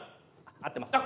合ってます。